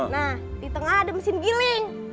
nah di tengah ada mesin giling